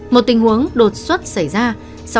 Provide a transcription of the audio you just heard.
một tình huống đột xuất xảy ra